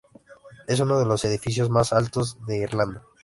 Es uno de los edificios más altos de Irlanda.